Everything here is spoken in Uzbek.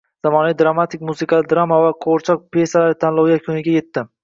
Zamonaviy dramatik, musiqali drama va qo‘g‘irchoq pesalari tanlovi yakuniga yetdi